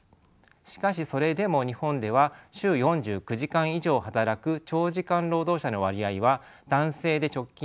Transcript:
しかしそれでも日本では週４９時間以上働く長時間労働者の割合は男性で直近でも２割を超えています。